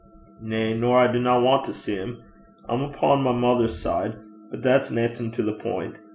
'Na. Nor I dinna want to see 'im. I'm upo' my mither's side. But that's naething to the pint.